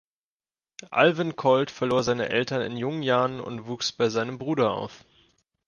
Alvin Colt verlor seine Eltern in jungen Jahren und wuchs bei seinem Bruder auf.